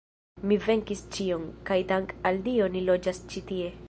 Mi venkis ĉion, kaj dank' al Dio ni loĝas ĉi tie.